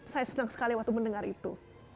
saya senang sekali waktu mendengar itu